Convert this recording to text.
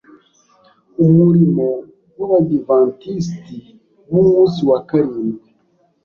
umurimo w’Abadiventisiti b’umunsi wa karindwi